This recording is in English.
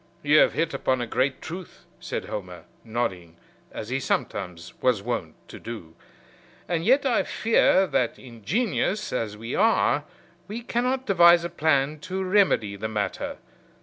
"You have hit upon a great truth," said Homer, nodding, as he sometimes was wont to do. "And yet I fear that, ingenious as we are, we cannot devise a plan to remedy the matter.